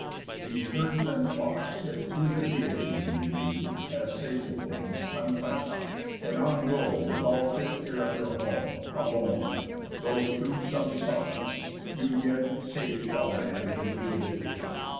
These herds and flocks if to the Deity Ye leave, as sacred things, untouch'd, and on Go with all fit care of your home, alone, (Though through some suff'rance) you yet safe shall land In wishéd Ithaca.